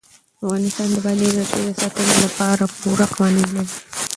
افغانستان د بادي انرژي د ساتنې لپاره پوره قوانین لري.